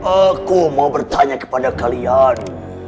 aku mau bertanya kepada kalian